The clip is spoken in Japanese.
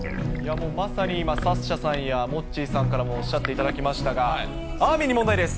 今まさに、サッシャさんやモッチーさんからもおっしゃっていただきましたが、あーみんに問題です。